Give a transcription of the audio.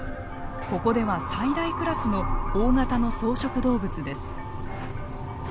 ここでは最大クラスの大型の草食動物です。